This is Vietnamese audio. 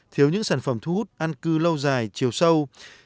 thiếu những sản phẩm thu hút an cư lâu dài chiều sâu